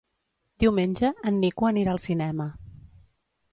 Diumenge en Nico anirà al cinema.